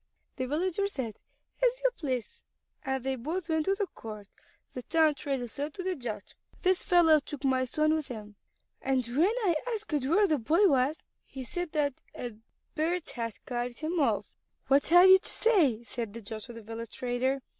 The villager said, "As you please"; and they both went to the court. The town trader said to the judge: "This fellow took my son with him to the river, and when I asked where the boy was, he said that a bird had carried him off." "What have you to say?" said the judge to the village trader.